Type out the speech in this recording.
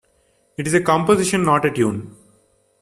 It is a composition not a tune.